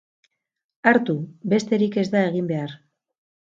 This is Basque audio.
Hartu, besterik ez da egin behar.